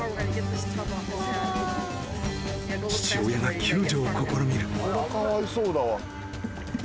［父親が救助を試みる］